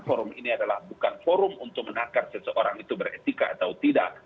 forum ini adalah bukan forum untuk menakar seseorang itu beretika atau tidak